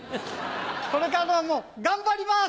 これからも頑張ります！